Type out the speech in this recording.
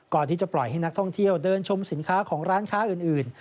ก่อนที่จะปล่อยให้นักท่องเที่ยวเดินชมสินค้าของร้านค้าอื่น